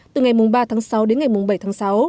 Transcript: từ ngày ba tháng sáu đến ngày bảy tháng sáu